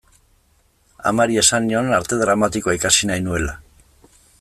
Amari esan nion Arte Dramatikoa ikasi nahi nuela.